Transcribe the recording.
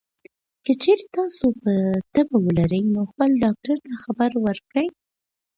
که چېرې تاسو تبه لرئ، نو خپل ډاکټر ته خبر ورکړئ.